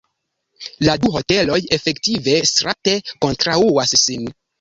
La du hoteloj efektive strate kontraŭas sin.